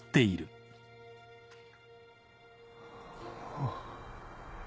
ああ。